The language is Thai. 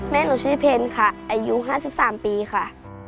แม่หนุ่มชีพเพ็ญค่ะอายุ๕๓ปีค่ะ